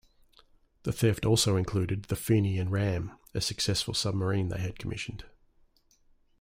The theft also included the "Fenian Ram", a successful submarine they had commissioned.